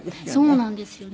そうなんですよね。